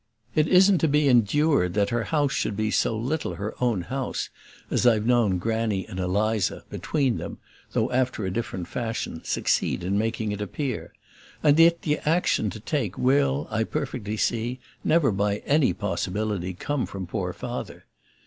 It isn't to be endured that her house should be so little her own house as I've known Granny and Eliza, between them, though after a different fashion, succeed in making it appear; and yet the action to take will, I perfectly see, never by any possibility come from poor Father.